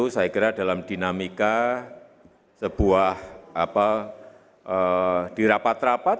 saya tuh sering ke tiga puluh delapan tahun